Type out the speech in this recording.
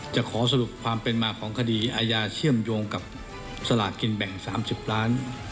จะขอสรุปความเป็นมาของคดีอาญาเชื่อมโยงกับสลากกินแบ่ง๓๐ล้าน